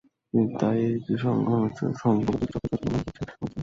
তাই এটি সংঘবদ্ধ একটি চক্রের কাজ বলে মনে করছে বাংলাদেশ ব্যাংক।